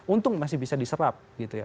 untung masih bisa diserap gitu ya